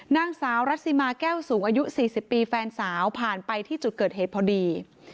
นางสาวรัสซิมาแก้วสูงอายุ๔๐ปีแฟนสาวผ่านไปที่จุดเกิดเหตุพอดี